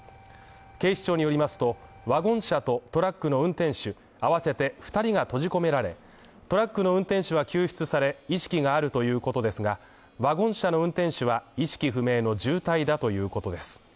警視庁によりますと、ワゴン車とトラックの運転手あわせて２人が閉じ込められ、トラックの運転手は救出され、意識があるということですが、ワゴン車の運転手は意識不明の重体だということです。